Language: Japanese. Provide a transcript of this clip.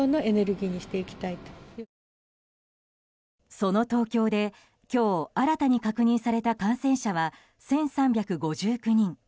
その東京で今日新たに確認された感染者は１３５９人。